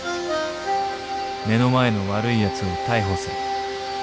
目の前の悪いやつを逮捕する。